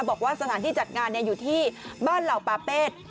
บอกว่าสถานที่จัดงานอยู่ที่บ้านเหล่าปาเปศ